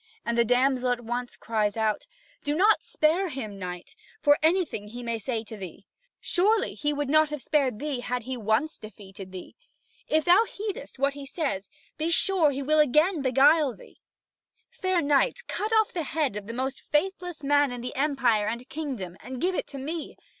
And the damsel at once cries out: "Do not spare him, knight, for anything he may say to thee. Surely he would not have spared thee, had he once defeated thee. If thou heedest what he says, be sure that he will again beguile thee. Fair knight, cut off the head of the most faithless man in the empire and kingdom, and give it to me!